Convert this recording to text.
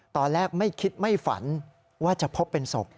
ตอนแรกไม่คิดไม่ฝันว่าจะพบเป็นศพ